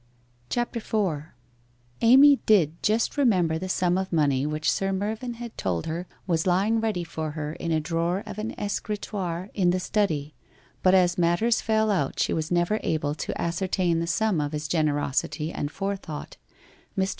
CHAPTER IV Amy did just remember the sum of money which Sir Mervyn had told her was lying ready for her in a drawer of an escritoire in the study, but as matters fell out she was never able to ascertain the sum of his gener osity and forethought. Mr.